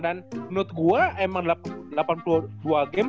dan menurut gue emang delapan puluh dua game